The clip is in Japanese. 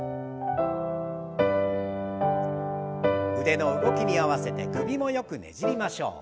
腕の動きに合わせて首もよくねじりましょう。